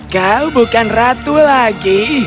kau bukan ratu lagi